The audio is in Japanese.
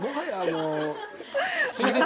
すみません